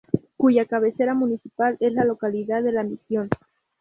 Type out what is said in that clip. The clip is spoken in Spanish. Cuya cabecera municipal es la localidad de La Misión.